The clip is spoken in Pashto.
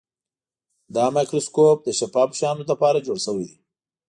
دا مایکروسکوپ د شفافو شیانو لپاره جوړ شوی دی.